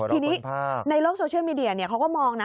ทีนี้ในโลกโซเชียลมีเดียเขาก็มองนะ